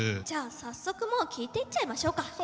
じゃあ早速もう聞いていっちゃいましょうか。